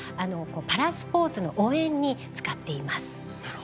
パラスポーツの応援に使っています。